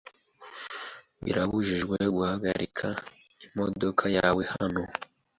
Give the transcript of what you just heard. Birabujijwe guhagarika imodoka yawe hano .